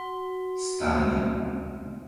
Starňa